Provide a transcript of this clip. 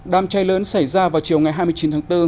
đám cháy lớn xảy ra vào chiều ngày hai mươi chín tháng bốn